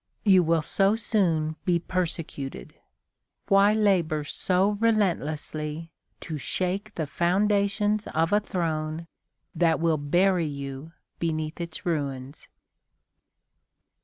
You will so soon be persecuted. Why labor so relentlessly to shake the foundations of a throne that will bury you beneath its ruins?